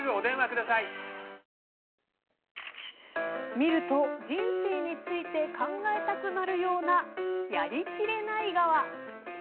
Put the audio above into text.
見ると、人生について考えたくなるようなヤリキレナイ川。